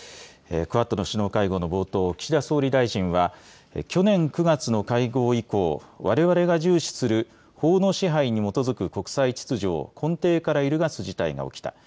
クアッドの首脳会合の冒頭、岸田総理大臣は、去年９月の会合以降、われわれが重視する法の支配に基づく国際秩序を根底から揺るがす事態が起きた。